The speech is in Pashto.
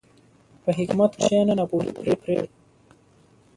په حکمت کښېنه، ناپوهي پرېږده.